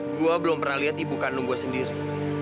gue belum pernah lihat ibu kandung gue sendiri